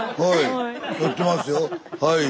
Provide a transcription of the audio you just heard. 「はい。